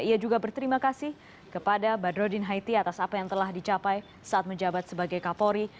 ia juga berterima kasih kepada badrodin haiti atas apa yang telah dicapai saat menjabat sebagai kapolri